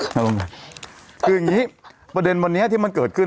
คืออย่างงี้ประเด็นวันนี้ที่มันเกิดขึ้น